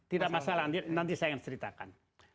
tidak masalah nanti saya akan ceritakan